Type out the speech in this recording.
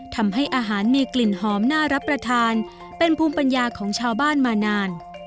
ทำให้อาหารมีกลิ่นหอมน่ารับประทานเป็นภูมิปัญญาของชาวบ้านมานาน